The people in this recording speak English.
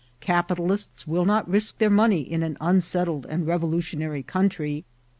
Capitalists will not ririt their money in an unset* tied and revolutionary country.